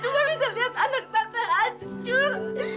tante cuma bisa lihat anak tante hancur